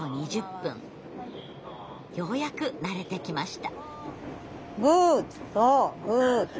ようやく慣れてきました。